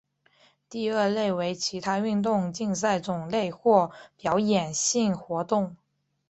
第二类为其他运动竞赛种类或表演性活动。